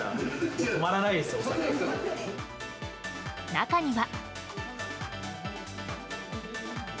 中には。